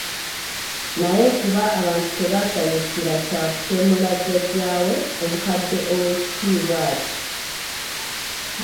Naye kuba abantu tebaasanyukira kya kutemula jjajjaawe omukadde ow'ekitiibwa atyo.